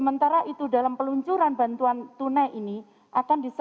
bantuan yang telah direkomendasikan oleh bapak presiden republik indonesia